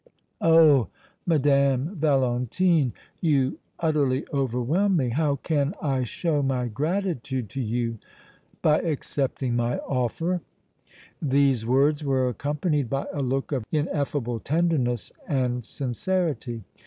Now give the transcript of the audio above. "Oh! madame Valentine you utterly overwhelm me! How can I show my gratitude to you?" "By accepting my offer!" These words were accompanied by a look of ineffable tenderness and sincerity.